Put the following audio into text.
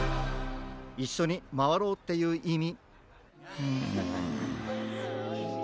いっしょにまわろうっていういみ。